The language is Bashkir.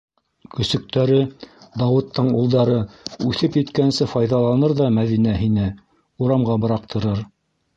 Көсөктәре, Дауыттың улдары, үҫеп еткәнсе файҙаланыр ҙа Мәҙинә һине, урамға быраҡтырыр.